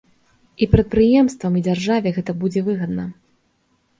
І прадпрыемствам, і дзяржаве гэта будзе выгадна.